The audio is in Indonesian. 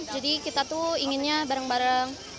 jadi kita tuh inginnya bareng bareng